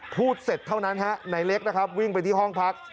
พูดเสร็จเท่านั้นฮะนายเล็กนะครับวิ่งไปที่ห้องพัก